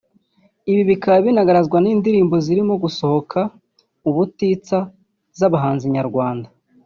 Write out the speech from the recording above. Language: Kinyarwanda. Ibi bikaba binagaragazwa n’indirimbo zirimo gusohoka ubutitsa z’abahanzi nyarwanda